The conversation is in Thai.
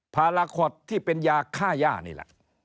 พาราคอตที่เป็นยาฆ่าย่านี่แหละ